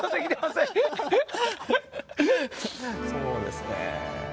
そうですね。